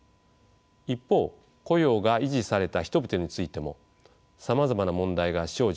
一方雇用が維持された人々についてもさまざまな問題が生じています。